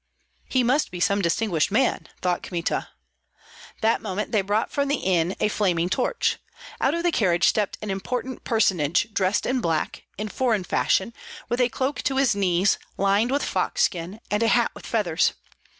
"He must be some distinguished man," thought Kmita. That moment they brought from the inn a flaming torch. Out of the carriage stepped an important personage dressed in black, in foreign fashion, with a cloak to his knees, lined with fox skin, and a hat with feathers.